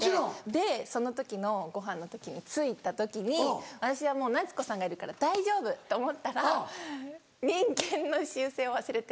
でその時のご飯の時に着いた時に私はもう夏子さんがいるから大丈夫と思ったら人間の習性を忘れてて。